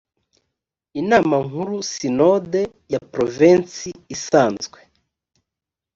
inama nkuru sinode ya provensi isanzwe